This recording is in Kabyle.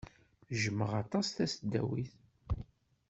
Jjmeɣ aṭas tasdawit.